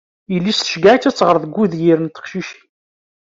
Yelli-s tceyyeɛ-itt ad tɣer deg udyir n teqcicin.